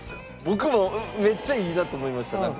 僕もめっちゃいいなと思いましたなんか。